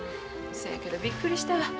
そやけどびっくりしたわ。